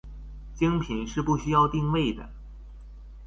精品是不需要定位的